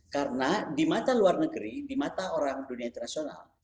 karena di mata luar negeri di mata orang dunia internasional